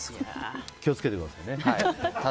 気を付けてくださいね。